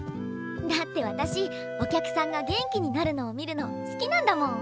だって私お客さんが元気になるのを見るの好きなんだもん。